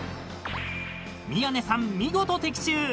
［宮根さん見事的中！］